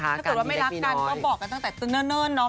ถ้าเกิดว่าไม่รักกันก็บอกกันตั้งแต่เนิ่นเนาะ